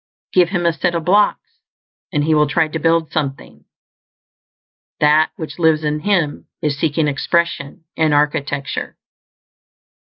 Give him a set of blocks, and he will try to build something; That which lives in him is seeking expression in architecture.